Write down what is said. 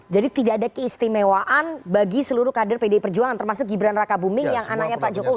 jadi tidak ada keistimewaan bagi seluruh kader pdi perjuangan termasuk gibran raka buming yang anaknya pak jokowi